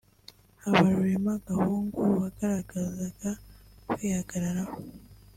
Habarurema Gahungu wagaragazaga kwihagararaho